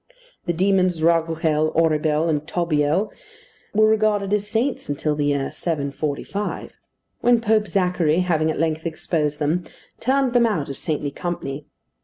The demons Raguhel, Oribel, and Tobiel, were regarded as saints until the year 745; when Pope Zachary, having at length exposed them, turned them out of saintly company.